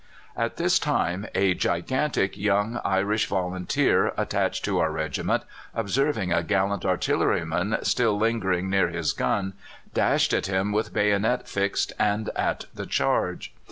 "At this time a gigantic young Irish volunteer attached to our regiment, observing a gallant artilleryman still lingering near his gun, dashed at him with bayonet fixed and at the charge.